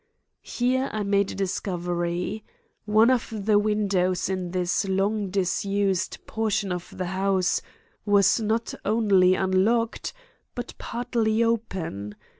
Here I made a discovery. One of the windows in this long disused portion of the house was not only unlocked but partly open.